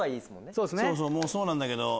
そうなんだけど。